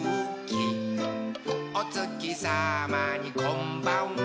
「おつきさまにこんばんは」